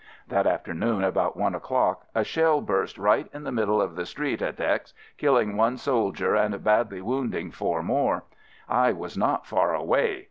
That afternoon, about one o'clock, a shell burst right in the middle of the street at X — killing one soldier and badly wounding four more. I was not far away.